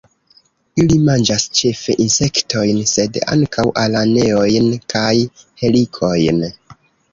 Ili manĝas ĉefe insektojn, sed ankaŭ araneojn kaj helikojn.